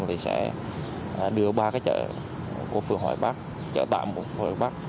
thì sẽ đưa ba cái chợ của phương hòa hiệp bắc chợ tạm của phương hòa hiệp bắc